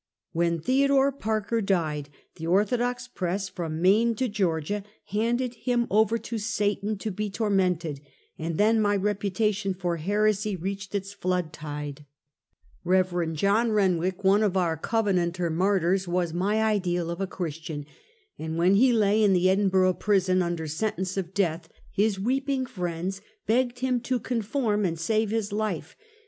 When Theodore Parker died, the orthodox press from Maine to Georgia, handed him over to Satan to be tormented; and then my reputation for heresy reached its flood tide. E.ELIGIOUS CONTROVEESIES. 203 Kev. John Kenwick, one of our Covenanter martjrs, was my ideal of a Christian, and when he lay in the Edinburg prison under sentence of death, his weeping friends begged him to conform and save his life.